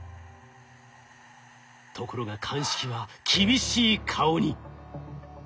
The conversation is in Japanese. ところが鑑識は厳しい顔に。